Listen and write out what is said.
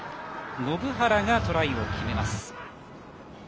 延原がトライを決めます。